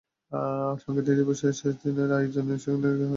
সংগীত দিবসের শেষ দিনের আয়োজনে সেখানে হাজির হয়েছিল ঢাকার বেশ কয়েকটি ব্যান্ড।